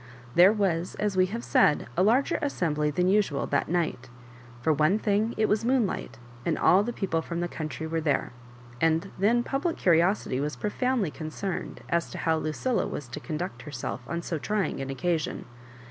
There was, as we have said, a larger assembly than usual that night For one thmg, it was moonlight, and all the people from the country were there; and then public curiosity was profoundly con cerned as to how Lucilla was to conduct herself on so trying an occasion.